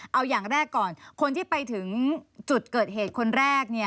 เอาอย่างแรกก่อนคนที่ไปถึงจุดเกิดเหตุคนแรก